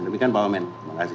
demikian pak wamen terima kasih